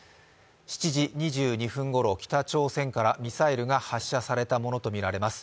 ７時２２分ごろ、北朝鮮からミサイルが発射されたものとみられます。